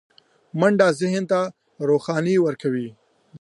منډه ذهن روښانه کوي